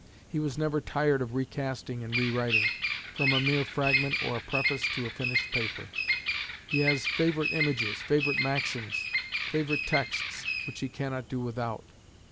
He was never tired of recasting and rewriting, from a mere fragment or preface to a finished paper. He has favourite images, favourite maxims, favourite texts, which he cannot do without.